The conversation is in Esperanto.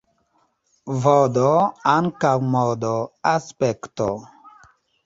Vd ankaŭ modo, aspekto.